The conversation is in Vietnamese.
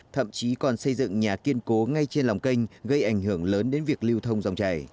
thậm chí còn xây dựng nhà kiên cố ngay trên lòng kênh gây ảnh hưởng lớn đến việc lưu thông dòng chảy